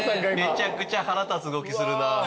めちゃくちゃ腹立つ動きするな。